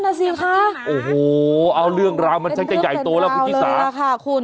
โอ้พูดแบบนี้มันเข้าคายคมครูได้นะโอ้โหเอาเรื่องราวมันใช้จะใหญ่โตแล้วคุณฟิศา